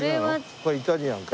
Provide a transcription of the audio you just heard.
これはイタリアンか。